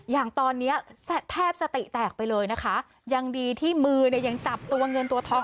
อย่างตอนนี้แทบสติแตกไปเลยนะคะยังดีที่มือเนี่ยยังจับตัวเงินตัวทอง